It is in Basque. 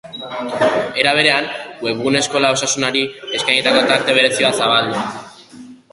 Era berean, webgunean eskola osasunari eskainitako tarte berezi bat zabaldu du.